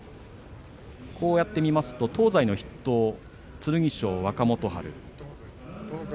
こうやって見ますと、東西の筆頭剣翔、若元春。